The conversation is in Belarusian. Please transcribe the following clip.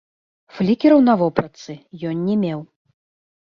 Флікераў на вопратцы ён не меў.